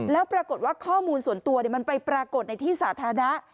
แล้วปรากฏว่าข้อมูลส่วนตัวมันไปปรากฏในที่สาธารณะ